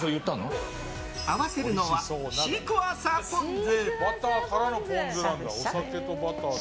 合わせるのはシークワーサーポン酢。